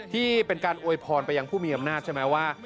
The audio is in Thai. ที่เป็นการอวยพรไปยังผู้มีอำนาจใช่ไหมว่า